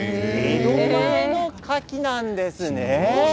江戸前のカキなんです。